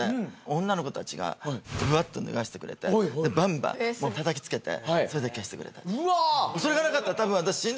女の子たちがブワッと脱がしてくれてでバンバンもうたたきつけてそれで消してくれたの。